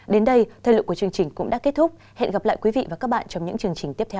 đến đây thời lượng của chương trình cũng đã kết thúc hẹn gặp lại quý vị và các bạn trong những chương trình tiếp theo